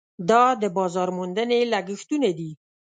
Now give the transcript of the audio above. دا د بازار موندنې لګښټونه دي.